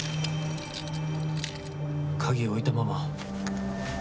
鍵置いたまま。